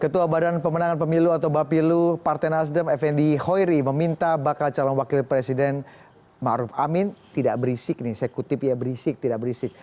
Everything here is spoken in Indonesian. ketua badan pemenangan pemilu atau bapilu partai nasdem fnd hoiri meminta bakal calon wakil presiden ⁇ maruf ⁇ amin tidak berisik nih saya kutip ya berisik tidak berisik